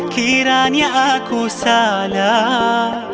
kiranya aku salah